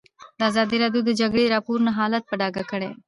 ازادي راډیو د د جګړې راپورونه حالت په ډاګه کړی.